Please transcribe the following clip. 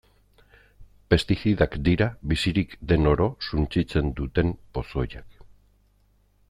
Pestizidak dira bizirik den oro suntsitzen duten pozoiak.